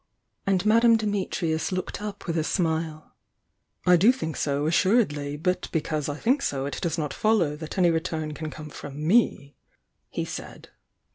And Madame Dimitrius looked up with a smile. t ^v i .. "I do think so, assuredly, but because I thmk so it does not Mow that any return can come from me," he said.